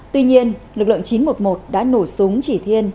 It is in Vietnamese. tuy nhiên lực lượng chín trăm một mươi một đã nổ súng chỉ thiên